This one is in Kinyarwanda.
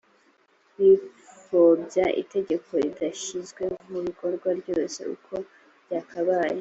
bipfobya itegeko ridashyizwe mu bikorwa ryose uko ryakabaye.